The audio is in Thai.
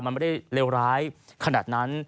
มันไม่ได้เลวร้ายขนาดนั้น